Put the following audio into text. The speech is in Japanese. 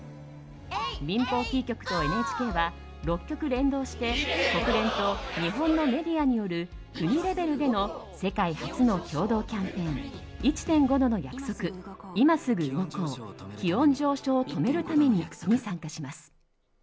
民放キー局とＮＨＫは６局連動して国連と日本のメディアによる国レベルでの世界初の共同キャンペーン「１．５℃の約束いますぐ動こう、気温上昇を止めるために。」に参加します。